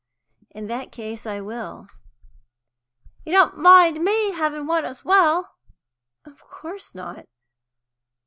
"In that case, I will." "You don't mind me having one as well?" "Of course not."